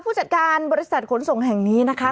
ผู้จัดการบริษัทขนส่งแห่งนี้นะคะ